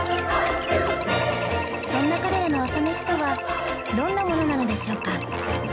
そんな彼らの朝メシとはどんなものなのでしょうか？